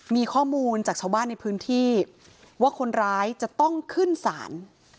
มีข้อมูลจากชาวบ้านในพื้นที่ว่าคนร้ายจะต้องขึ้นศาล